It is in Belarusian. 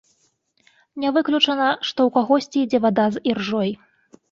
Не выключана, што ў кагосьці ідзе вада з іржой.